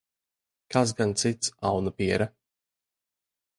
Kas gan cits, aunapiere?